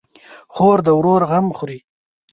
خور د ورور غم خوري.